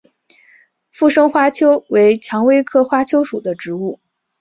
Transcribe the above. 附生花楸为蔷薇科花楸属的植物。